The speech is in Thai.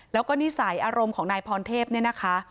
แล้วก็นิสัยอารมณ์ของนายพรเทพเนี่ยนะคะ